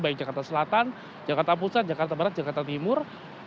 baik jakarta selatan jakarta pusat jakarta barat jakarta timur